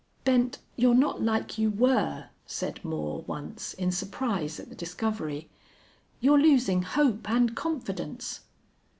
"Bent, you're not like you were," said Moore, once, in surprise at the discovery. "You're losing hope and confidence."